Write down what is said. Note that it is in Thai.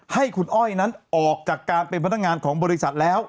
ให้คุณอ้อยนั้นออกจากการเป็นพนักงานของบริษัทแล้ว